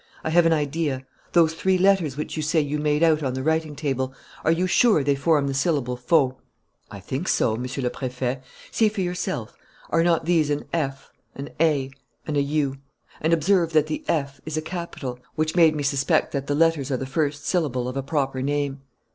I have an idea: those three letters which you say you made out on the writing table, are you sure they form the syllable Fau?" "I think so, Monsieur le Préfet. See for yourself: are not these an 'F,' an 'A' and a 'U?' And observe that the 'F' is a capital, which made me suspect that the letters are the first syllable of a proper name."